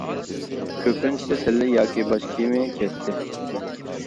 كۆپىنچىسى سەللە ياكى باش كىيىمى كىيەتتى.